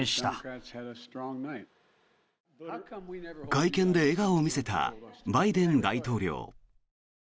会見で笑顔を見せたバイデン大統領。